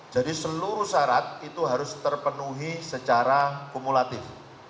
jadi seluruh syarat itu harus terpenuhi secara kumulatif